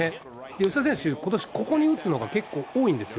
吉田選手、ことしここに打つのが結構多いんですよ。